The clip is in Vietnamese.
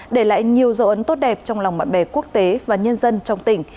để lại nhiều dấu ấn tốt đẹp trong lòng bạn bè quốc tế và nhân dân trong tỉnh